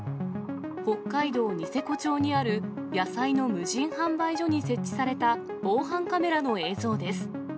北海道ニセコ町にある野菜の無人販売所に設置された防犯カメラの映像です。